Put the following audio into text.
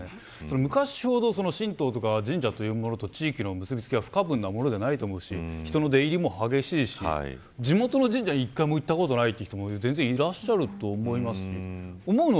昔ほど神道とか神社というものと地域の結び付きは不可分なものではないと思うし人の出入りも激しいし地元の神社へ一回も行ったことないという人もいらっしゃると思います。